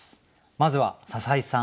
まずは篠井さん